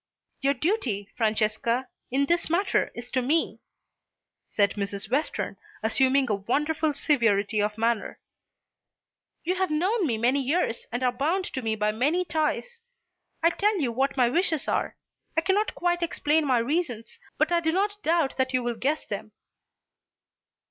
"Your duty, Francesca, in this matter is to me," said Mrs. Western, assuming a wonderful severity of manner. "You have known me many years and are bound to me by many ties. I tell you what my wishes are. I cannot quite explain my reasons, but I do not doubt that you will guess them."